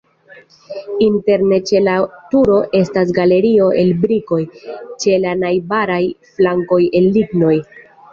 Interne ĉe la turo estas galerio el brikoj, ĉe la najbaraj flankoj el lignoj.